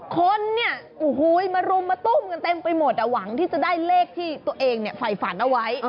คนเนี่ยโอ้โหมารุมมาตุ้มกันเต็มไปหมดหวังที่จะได้เลขที่ตัวเองฝ่ายฝันเอาไว้